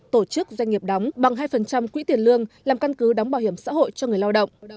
tổ chức doanh nghiệp đóng bằng hai quỹ tiền lương làm căn cứ đóng bảo hiểm xã hội cho người lao động